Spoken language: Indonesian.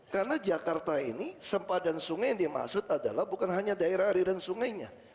karena jakarta ini sembar dan sungai yang dimaksud adalah bukan hanya daerah air dan sungainya